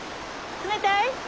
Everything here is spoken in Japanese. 冷たい？